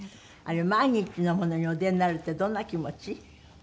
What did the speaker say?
あれ毎日のものにお出になるってどんな気持ち？